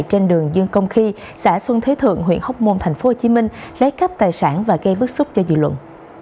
trên đường dương công khi xã xuân thế thượng huyện hóc môn tp hcm lấy cắp tài sản và gây bức xúc cho dự luận